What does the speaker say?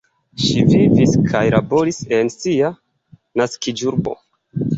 Ŝi vivis kaj laboris en sia naskiĝurbo.